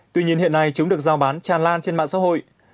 tuy nhiên hiện nay chúng được giao bán tràn lan trên mạng xã hội